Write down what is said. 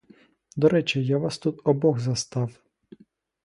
До речі я вас тут обох застав!